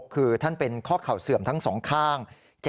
คือท่านเป็นข้อเข่าเสื่อมทั้งสองข้าง